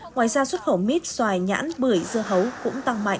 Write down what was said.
ngoài ra xuất khẩu mít xoài nhãn bưởi dưa hấu cũng tăng mạnh